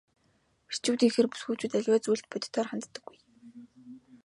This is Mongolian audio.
Эрчүүдийнхээр бүсгүйчүүд аливаа зүйлд бодитоор ханддаггүй.